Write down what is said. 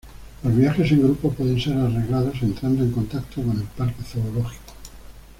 Los viajes en grupo pueden ser arreglados entrando en contacto con el parque zoológico.